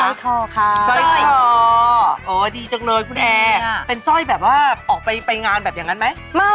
ร้อยคอค่ะสร้อยคอโอ้ดีจังเลยคุณแอร์เป็นสร้อยแบบว่าออกไปไปงานแบบอย่างนั้นไหมไม่